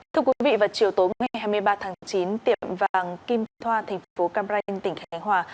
thưa quý vị vào chiều tối ngày hai mươi ba tháng chín tiệm vàng kim thoa thành phố cam ranh tỉnh khánh hòa